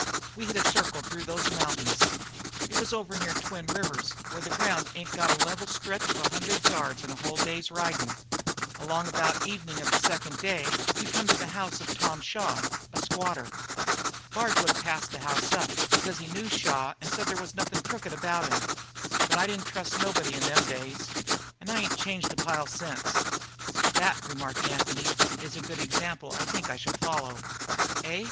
We hit a circle through the mountains it was over near Twin Rivers where the ground ain't got a level stretch of a hundred yards in a whole day's ridin'. And along about evenin' of the second day we come to the house of Tom Shaw, a squatter. "Bard would of passed the house up, because he knew Shaw and said there wasn't nothin' crooked about him, but I didn't trust nobody in them days and I ain't changed a pile since." "That," remarked Anthony, "is an example I think I shall follow." "Eh?"